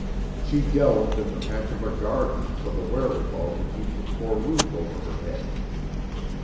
She delved in the patch of a garden for the wherewithal to keep the poor roof over her head.